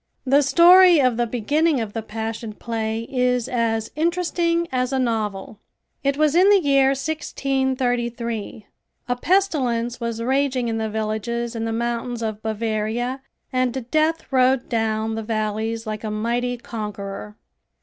The story of the beginning of the Passion Play is as interesting as a novel. It was in the year 1633. A pestilence was raging in the villages in the mountains of Bavaria and death rode down the valleys like a mighty conqueror.